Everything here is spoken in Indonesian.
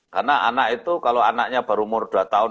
karena anak itu kalau anaknya baru umur dua tahun